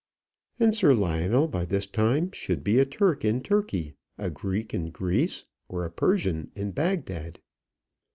"And Sir Lionel by this time should be a Turk in Turkey, a Greek in Greece, or a Persian in Bagdad."